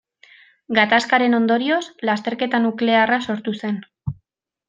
Gatazkaren ondorioz lasterketa nuklearra sortu zen.